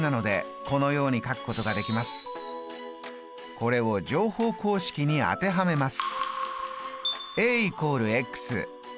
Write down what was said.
これを乗法公式に当てはめます。